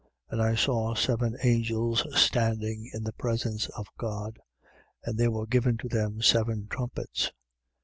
8:2. And I saw seven angels standing in the presence of God: and there were given to them seven trumpets.